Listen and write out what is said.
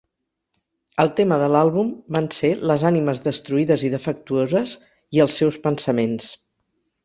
El tema de l'àlbum van ser les ànimes destruïdes i defectuoses i els seus pensaments.